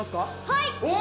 はい！